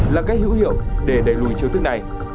là cách hữu hiệu để đẩy lùi chiêu thức này